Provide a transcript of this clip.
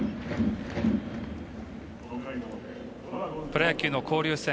プロ野球の交流戦。